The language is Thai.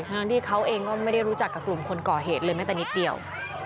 ทั้งที่เขาเองก็ไม่ได้รู้จักกับกลุ่มคนก่อเหตุเลยแม้แต่นิดเดียว